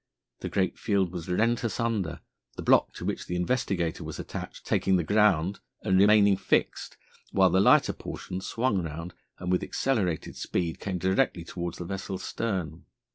The great field was rent asunder, the block to which the Investigator was attached taking the ground and remaining fixed, while the lighter portion swung round and, with accelerated speed, came directly towards the vessel's stern.